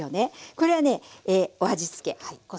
これはねお味つけ。